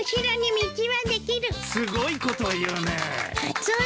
すごいこと言うね。